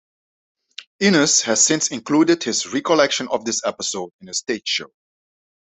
Innes has since included his recollection of this episode in his stage show.